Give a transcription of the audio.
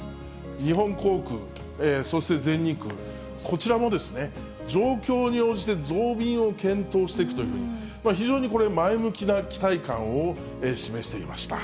日本航空、そして全日空、こちらもですね、状況に応じて増便を検討していくというふうに、非常にこれ、前向きな期待感を示していました。